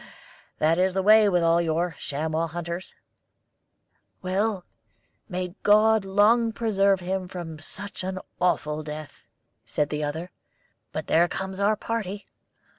That is the way with all your chamois hunters." "Well, may God long preserve him from such an awful death!" said the other. "But there comes our party.